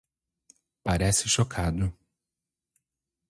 Parece chocado